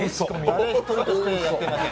誰１人としてやっていません。